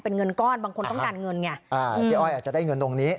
เป็นเงินก้อนบางคนต้องการเงินไงอ่าเจ๊อ้อยอาจจะได้เงินตรงนี้